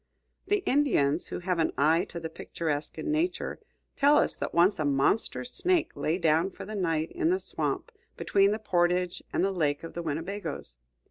The Indians, who have an eye to the picturesque in Nature, tell us that once a monster snake lay down for the night in the swamp between the portage and the lake of the Winnebagoes.